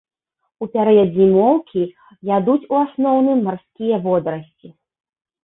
У перыяд зімоўкі ядуць у асноўным марскія водарасці.